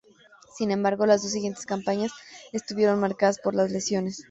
Sin embargo, las dos siguientes campañas estuvieron marcadas por las lesiones.